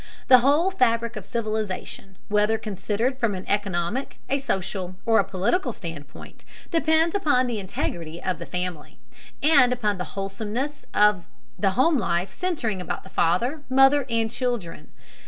The whole fabric of civilization, whether considered from an economic, a social, or a political standpoint, depends upon the integrity of the family, and upon the wholesomeness of the home life centering about the father, mother, and children.